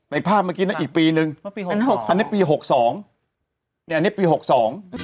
ในภาพเมื่อกี้เนี้ยอีกปีหนึ่งเพราะปีหกสองอันนี้ปีหกสอง